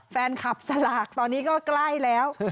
แฟนคลับสลากตอนนี้ก็ใกล้แล้ว